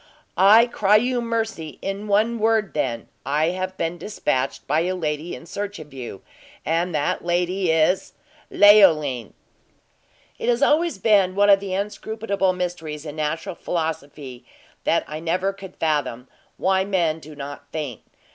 "I cry you mercy! In one word, then, I have been dispatched by a lady in search of you, and that lady is Leoline." It has always been one of the inscrutable mysteries in natural philosophy that I never could fathom, why men do not faint.